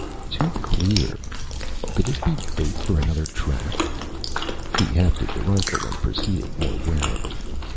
Too clear! Could this be bait for another trap? He hefted the rifle and proceeded more warily.